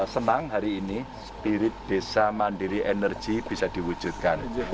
senang hari ini spirit desa mandiri energi bisa diwujudkan